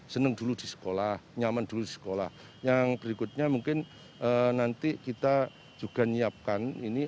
seneng dulu di sekolah nyaman dulu di sekolah yang berikutnya mungkin nanti kita juga nyiapkan ini